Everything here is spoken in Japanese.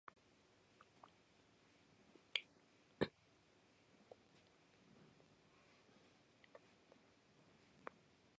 核戦争に備えたシェルターでもなければ、地球制服を企む悪の組織のアジトでもない